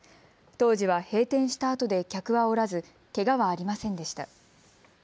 当時は閉店したあとで客はおらずけがはありませんでした。